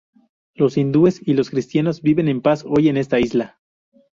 Los hindúes y los cristianos viven en paz hoy en esta isla.